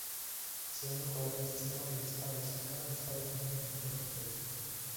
Se ha mejorado el sistema de disparos, y cada disparo podrá tener un efecto.